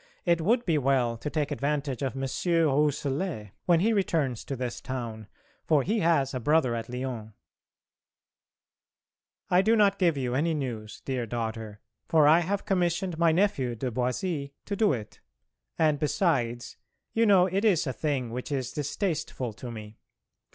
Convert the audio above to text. It would be well to take advantage of M. Rousselet when he returns to this town, for he has a brother at Lyons. I do not give you any news, dear daughter, for I have commissioned my nephew de Boisy to do it; and besides, you know it is a thing which is distasteful to me.